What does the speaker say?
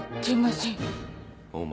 お前。